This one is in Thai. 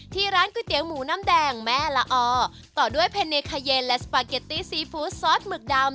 ที่ร้านก๋วยเตี๋ยวหมูน้ำแดงแม่ละออต่อด้วยเพเนคาเยนและสปาเกตตี้ซีฟู้ดซอสหมึกดำ